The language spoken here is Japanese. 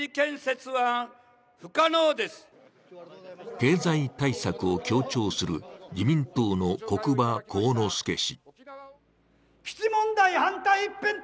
経済対策を強調する自民党の國場幸之助氏。